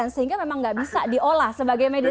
sehingga memang nggak bisa diolah sebagai medis